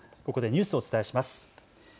それではここでニュースをお伝えします。